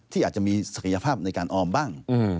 ที่อาจจะมีศักยภาพในการออมบ้าง